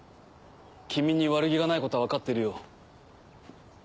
君に悪気がないことは分かってるよ。